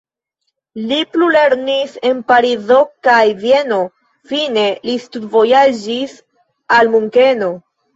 Li plulernis en Parizo kaj Vieno, fine li studvojaĝis al Munkeno.